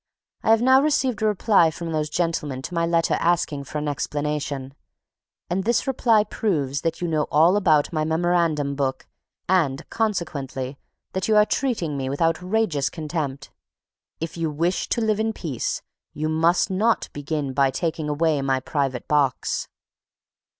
I have now received a reply from those gentlemen to my letter asking for an explanation, and this reply proves that you know all about my Memorandum Book and, consequently, that you are treating me with outrageous contempt. IF YOU WISH TO LIVE IN PEACE, YOU MUST NOT BEGIN BY TAKING AWAY MY PRIVATE BOX.